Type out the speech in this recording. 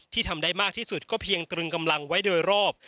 ทำได้มากที่สุดก็เพียงตรึงกำลังไว้โดยรอบ